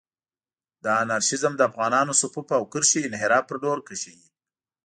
دا انارشېزم د افغانانانو صفوف او کرښې انحراف پر لور کشوي.